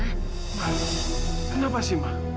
kamu kenapa sih ma